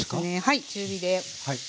はい中火で。